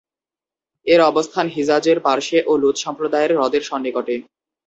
এর অবস্থান হিজাযের পার্শ্বে ও লুত সম্প্রদায়ের হ্রদের সন্নিকটে।